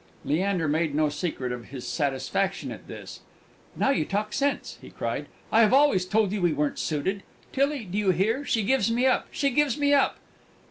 Leander made no secret of his satisfaction at this. "Now you talk sense!" he cried. "I always told you we weren't suited. Tillie, do you hear? She gives me up! She gives me up!"